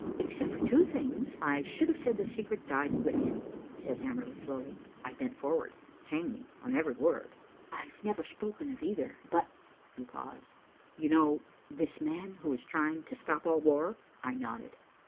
"Except for two things, I should have said the secret died with him," said Hamerly slowly. I bent forward hanging on every word. "I've never spoken of either, but," he paused, "you know this man who is trying to stop all war?" I nodded.